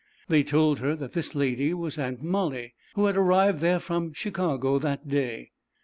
They told her that this lady was Aunt Molly, who had arrived there from Chicago that day.